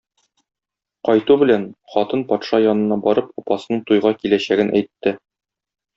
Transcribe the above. Кайту белән, хатын патша янына барып апасының туйга киләчәген әйтте.